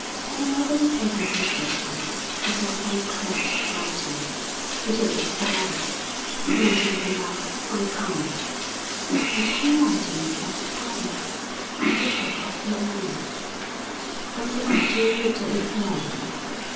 Turning over the pages listlessly, he saw some crabbed writing; he took it to the light 'To night, my beloved, I come.' And the handwriting was that of Pablo, Archbishop of Xiormonez. Don Sebastian looked at it long.